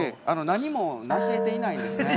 ◆何もなし得ていないんですね。